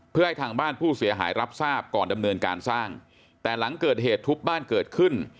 เพื่อให้ทางบ้านผู้เสียหายรับทราบก่อนดำเนินการสร้างแต่หลังเกิดเหตุทุบบ้านเกิดขึ้น